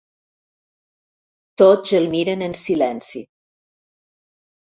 Tots el miren en silenci.